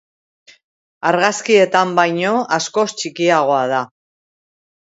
Argazkietan baino askoz txikiagoa da.